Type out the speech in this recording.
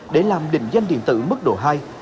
để làm định danh điện tử mức độ hai